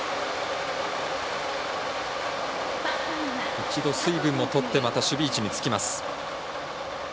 一度、水分をとってまた守備位置につきます。